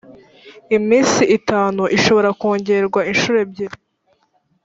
iminsi itanu ishobora kongerwa inshuro ebyiri